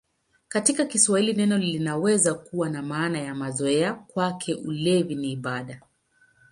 Katika Kiswahili neno linaweza kuwa na maana ya mazoea: "Kwake ulevi ni ibada".